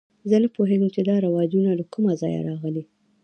زه نه پوهېږم چې دا رواجونه له کومه ځایه راغلي.